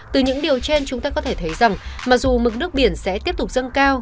từ những điều trên chúng ta có thể thấy rằng mặc dù mực nước biển sẽ tiếp tục dâng cao